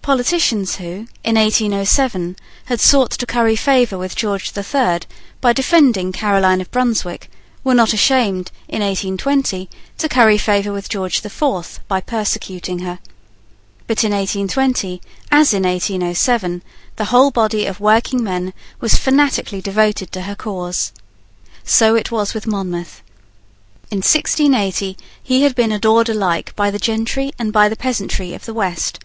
Politicians, who, in 1807, had sought to curry favour with George the Third by defending Caroline of Brunswick, were not ashamed, in 1820, to curry favour with George the Fourth by persecuting her. But in 1820, as in 1807, the whole body of working men was fanatically devoted to her cause. So it was with Monmouth. In 1680, he had been adored alike by the gentry and by the peasantry of the West.